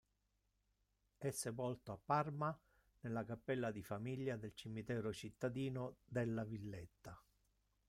È sepolto a Parma, nella Cappella di famiglia del cimitero cittadino della Villetta.